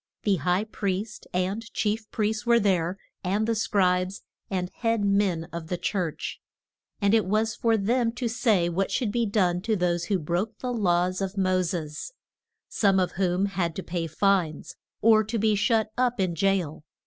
The high priest and chief priests were there, and the scribes, and head men of the church, and it was for them to say what should be done to those who broke the laws of Mo ses; some of whom had to pay fines, or to be shut up in jail.